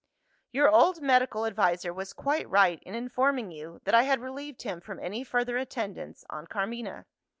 "Your old medical adviser was quite right in informing you that I had relieved him from any further attendance on Carmina.